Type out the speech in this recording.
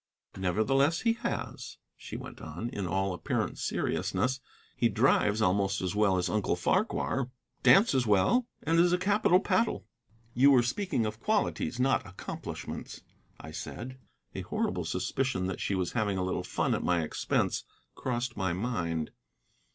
"Nevertheless, he has," she went on, in all apparent seriousness. "He drives almost as well as Uncle Farquhar, dances well, and is a capital paddle." "You were speaking of qualities, not accomplishments," I said. A horrible suspicion that she was having a little fun at my expense crossed my mind.